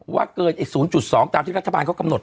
เกิน๐๒ตามที่รัฐบาลเขากำหนด